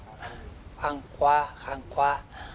ข้างขวาข้างขวา